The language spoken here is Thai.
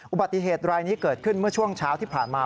อุบัติเหตุรายนี้เกิดขึ้นเมื่อช่วงเช้าที่ผ่านมา